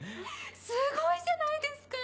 すごいじゃないですか！